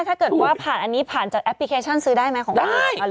ถ้าเกิดว่าผ่านอันนี้ผ่านจากแอปพลิเคชันซื้อได้ไหมของร้าน